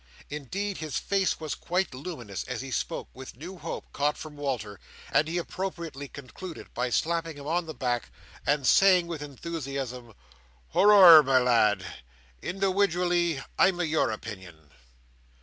Indeed, his face was quite luminous as he spoke, with new hope, caught from Walter; and he appropriately concluded by slapping him on the back; and saying, with enthusiasm, "Hooroar, my lad! Indiwidually, I'm o' your opinion."